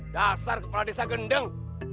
dasar kepala desa gendeng